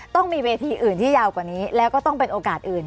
ต้องมีเวทีอื่นที่ยาวกว่านี้แล้วก็ต้องเป็นโอกาสอื่น